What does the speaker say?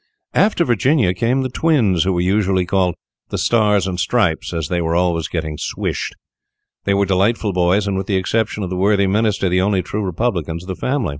After Virginia came the twins, who were usually called "The Star and Stripes," as they were always getting swished. They were delightful boys, and, with the exception of the worthy Minister, the only true republicans of the family.